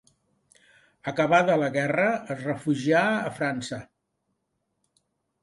Acabada la guerra, es refugià a França.